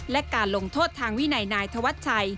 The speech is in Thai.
และการลงโทษทางวินัยนายธวัชชัย